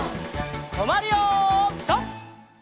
とまるよピタ！